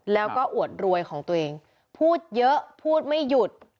แล้วก็อวดรวยของตัวเองพูดเยอะพูดไม่หยุด